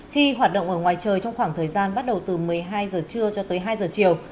khi hoạt động ở ngoài trời trong khoảng thời gian bắt đầu từ một mươi hai giờ trưa cho tới hai h chiều